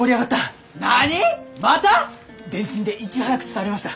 電信でいち早く伝わりました。